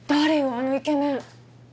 あのイケメン！